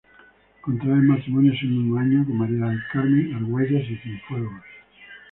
Contrae matrimonio ese mismo año con María del Carmen Argüelles y Cienfuegos.